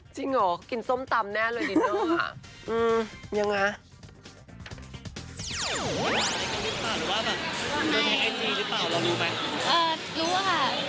จริงเหรอกินส้มตำแน่เลยดินเนอร์ยังไง